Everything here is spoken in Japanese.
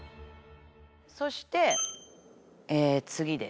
そして次ですね